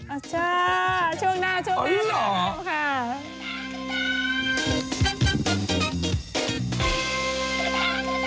อ่าจ้าช่วงหน้าช่วงหน้าต้องค่ะ